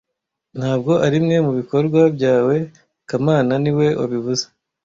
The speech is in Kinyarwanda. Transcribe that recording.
Ntabwo arimwe mubikorwa byawe kamana niwe wabivuze